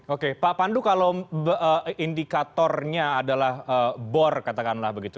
oke pak pandu kalau indikatornya adalah bor katakanlah begitu